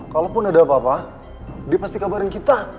kalaupun ada apa apa dia pasti kabarin kita